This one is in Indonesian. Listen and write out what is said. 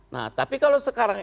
nah tapi kalau sekarang